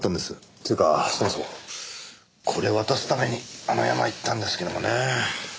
っていうかそもそもこれを渡すためにあの山行ったんですけどもね。